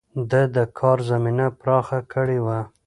ده د کار زمينه پراخه کړې وه.